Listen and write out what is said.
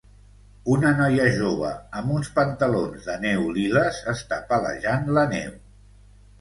Una noia jove amb uns pantalons de neu liles està palejant la neu.